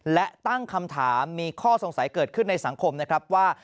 และตั้งคำถามมีข้อสงสัยเกิดขึ้นในสังคมนะครับว่า